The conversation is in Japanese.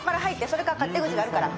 それから勝手口があるから。